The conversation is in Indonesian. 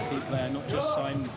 bukan hanya menandatangani nama besar